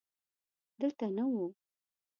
دلته نه و.